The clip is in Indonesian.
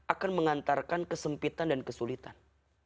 akan mengantarkan kesempitan dan kesulitan